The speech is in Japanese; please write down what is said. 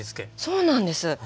そうなんです。